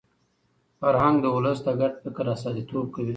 فرهنګ د ولس د ګډ فکر استازیتوب کوي.